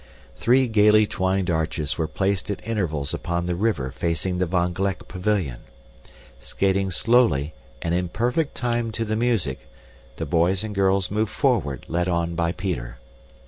Three gaily twined arches were placed at intervals upon the river facing the Van Gleck pavilion. Skating slowly, and in perfect time to the music, the boys and girls moved forward, led on by Peter.